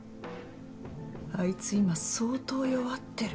あいつ今相当弱ってる。